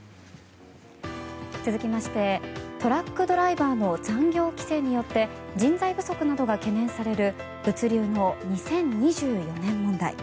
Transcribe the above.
続きましてトラックドライバーの残業規制によって人材不足などが懸念される物流の２０２４年問題。